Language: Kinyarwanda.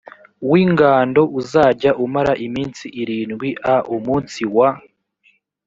w ingando uzajya umara iminsi irindwi a umunsi wa